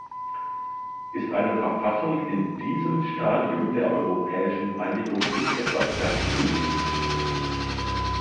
Ist eine Verfassung in diesem Stadium der europäischen Einigung nicht etwas verfrüht?